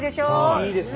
いいですね。